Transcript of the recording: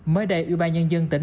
mới đây ủy ban nhân dân tỉnh